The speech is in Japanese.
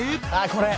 これ！